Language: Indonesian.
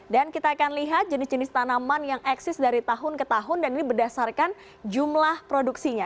dan kita akan lihat jenis jenis tanaman yang eksis dari tahun ke tahun dan ini berdasarkan jumlah produksinya